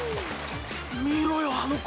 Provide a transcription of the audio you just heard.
見ろよあの子。